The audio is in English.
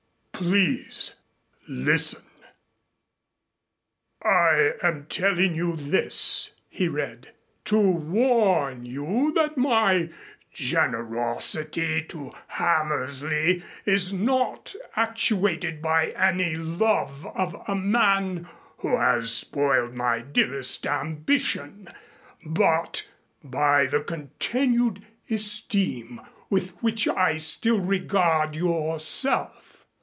Please listen. 'I am telling you this,'" he read, "'to warn you that my generosity to Hammersley is not actuated by any love of a man who has spoiled my dearest ambition, but by the continued esteem with which I still regard yourself.